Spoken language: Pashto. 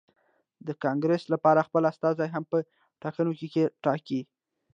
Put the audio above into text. د کانګرېس لپاره خپل استازي هم په ټاکنو کې ټاکي.